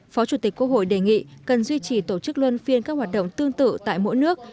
phó chủ tịch quốc hội đề nghị cần duy trì tổ chức luân phiên các hoạt động tương tự tại mỗi nước